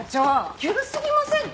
急すぎませんか？